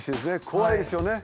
怖いですよね。